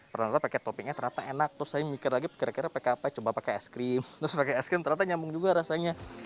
ternyata pakai toppingnya ternyata enak terus saya mikir lagi kira kira pakai apa coba pakai es krim terus pakai es krim ternyata nyambung juga rasanya